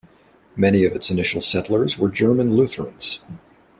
Many of its initial settlers were German Lutherans.